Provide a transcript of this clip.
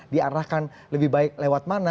diarahkan lebih baik lewat mana